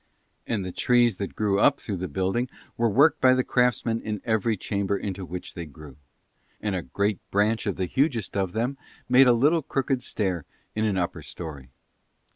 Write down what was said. And the trees that grew up through the building were worked by the craftsmen in every chamber into which they grew: and a great branch of the hugest of them made a little crooked stair in an upper storey.